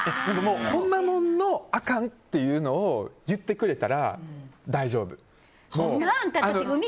ほんまもんのあかんっていうのを言ってくれたらほんま？